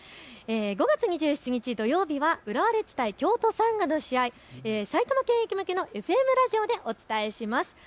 ５月２７日土曜日は浦和レッズ対京都サンガの試合、さいたま向けのＦＭラジオでお伝えします。